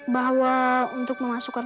bahwa untuk memasukkan